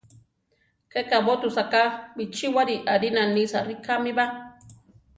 Ke kabótusa ka, bichíwari arina nisa rikámiba.